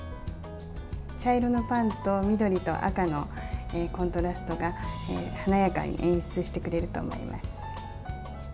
茶色のパンと緑と赤のコントラストが華やかに演出してくれると思います。